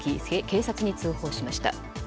警察に通報しました。